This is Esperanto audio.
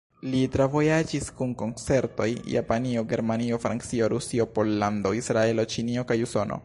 Li travojaĝis kun koncertoj Japanio, Germanio, Francio, Rusio, Pollando, Israelo, Ĉinio kaj Usono.